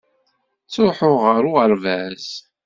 Ttruḥuɣ ɣer uɣerbaz.